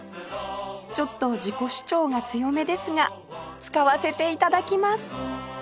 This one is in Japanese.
ちょっと自己主張が強めですが使わせて頂きます